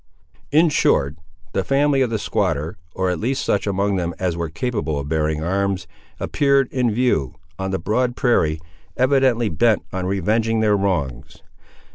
In short, the family of the squatter, or at least such among them as were capable of bearing arms, appeared in view, on the broad prairie, evidently bent on revenging their wrongs.